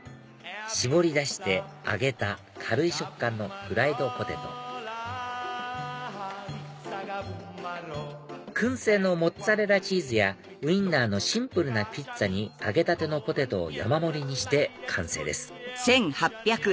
搾り出して揚げた軽い食感のフライドポテト薫製のモッツァレラチーズやウインナーのシンプルなピッツァに揚げたてのポテトを山盛りにして完成です